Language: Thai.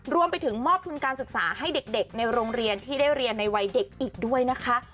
รวมไปถึงมอบทุนการศึกษาให้เด็กในโรงเรียนที่ได้เรียนในวัยเด็กอีกด้วยนะคะ